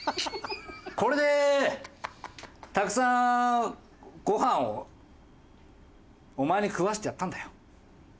これでたくさんごはんをお前に食わせてやったんだよ。